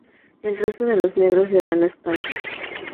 El resto de los Negros le dan la espalda.